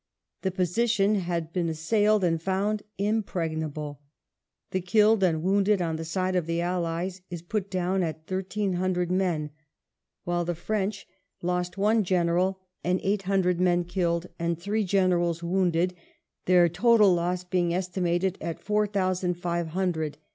The position had been assailed and found impregnable. The killed and wounded on the side of the Allies is put down at thirteen hundred men ; while the French lost VII MASS&NA STUMBLES ON "'THE LINES'' 139 one general and eight hundred men killed, and three generals wounded, their total loss being estimated at four thousand five hundred.